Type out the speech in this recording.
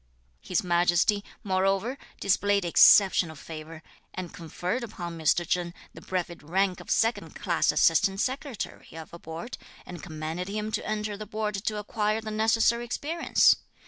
His Majesty, moreover, displayed exceptional favour, and conferred upon Mr. Cheng the brevet rank of second class Assistant Secretary (of a Board), and commanded him to enter the Board to acquire the necessary experience.